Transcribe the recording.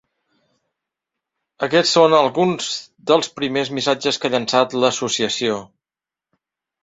Aquests són alguns dels primers missatges que ha llançat l’associació.